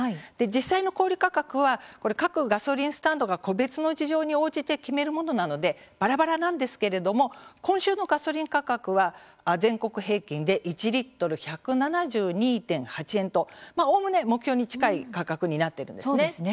実際の小売価格は各ガソリンスタンドが個別の事情に応じて決めるものなのでばらばらなんですけれども今週のガソリン価格は全国平均で１リットル１７２．８円とおおむね目標に近い価格になっているんですね。